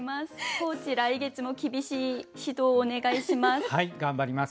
コーチ来月も厳しい指導をお願いします。